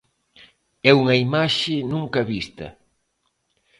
É unha imaxe nunca vista.